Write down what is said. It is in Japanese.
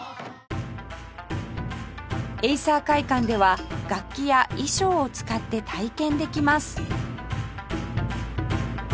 エイサー会館では楽器や衣装を使って体験できます